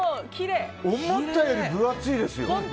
思ったよりも分厚いですよ。